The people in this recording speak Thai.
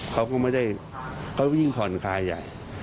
เขาก็ไม่ได้เขาวิ่งผ่อนคลายใหญ่